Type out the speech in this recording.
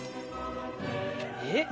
えっ！